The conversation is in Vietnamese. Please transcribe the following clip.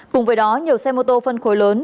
cùng với đó nhiều xe mô tô phân khối lớn